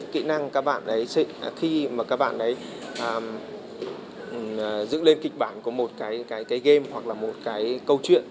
kỹ năng các bạn đấy khi mà các bạn ấy dựng lên kịch bản có một cái game hoặc là một cái câu chuyện